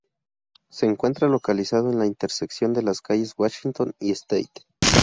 Se encuentra localizado en la intersección de las calles Washington y State.